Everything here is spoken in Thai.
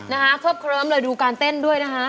เคิบเคลิ้มเลยดูการเต้นด้วยนะฮะ